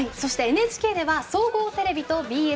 ＮＨＫでは総合テレビとＢＳ４Ｋ